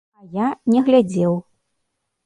А я не глядзеў.